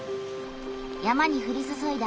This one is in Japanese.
山にふりそそいだ